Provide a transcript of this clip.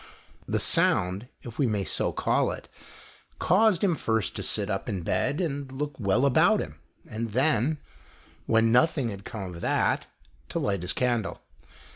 The sound, if we may so call it caused him first to sit up in bed and look "well about him, and then, when nothing had come of that, to light his candle.